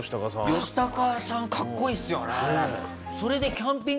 ヨシタカさんかっこいいっすよね。